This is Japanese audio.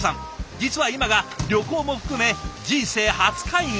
実は今が旅行も含め人生初海外。